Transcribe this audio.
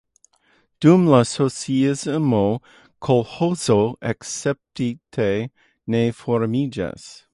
Dum la socialismo kolĥozo escepte ne formiĝis.